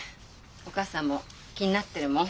お母さんも気になってるもん。